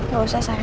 gak usah sa ya